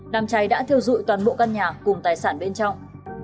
đám cháy đã thiêu dụi toàn bộ căn nhà cùng tài sản bên trong